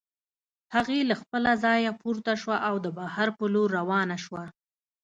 هغې له خپله ځايه پورته شوه او د بهر په لور روانه شوه.